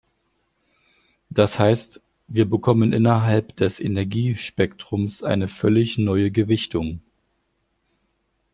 Das heißt, wir bekommen innerhalb des Energiespektrums eine völlig neue Gewichtung.